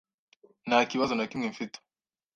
Nta kibazo na kimwe mfite.